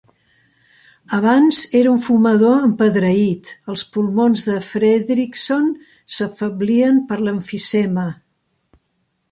Abans era un fumador empedreït, els pulmons de Fredrikson s'afeblien per l'emfisema.